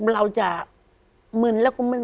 เราจะมึนแล้วก็ไม่